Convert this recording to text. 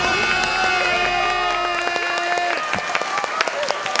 すごい！